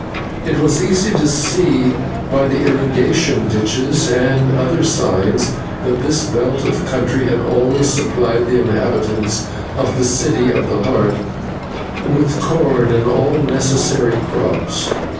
It was easy to see by the irrigation ditches and other signs that this belt of country had always supplied the inhabitants of the City of the Heart with corn and all necessary crops.